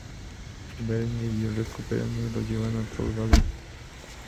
Beren y Dior lo recuperan y lo llevan a Tol Galen.